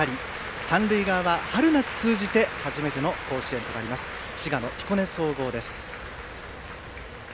三塁側は春夏通じて初めての甲子園となる滋賀の彦根総合です。